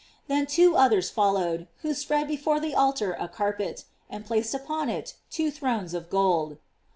Then two others followed, who spread before the altar a carpet, and placed upon it two thrones of gold.